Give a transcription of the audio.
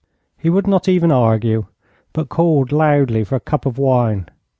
He would not even argue, but called loudly for a cup of wine.